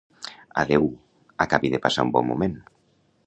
Adéu, acabi de passar un bon moment.